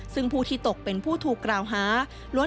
ซึ่งผู้ที่ตกเป็นผู้ถูกตามวิจัยการกลางประมาณ